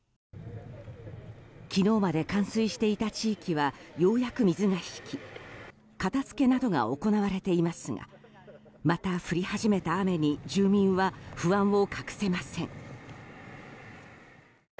昨日まで冠水していた地域はようやく水が引き片付けなどが行われていますがまた降り始めた雨に住民は不安を隠せません。